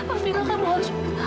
amira kamu harus berhenti